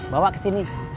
bawa ke sini